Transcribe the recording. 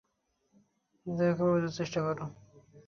দয়াকরে বোঝার চেষ্টা করো।